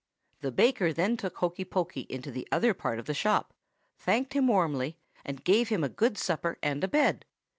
"The baker then took Hokey Pokey into the other part of the shop, thanked him warmly, and gave him a good supper and a bed.